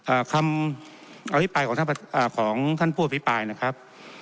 อ่าคำอภิปรายของท่านอ่าของท่านผู้อภิปรายนะครับ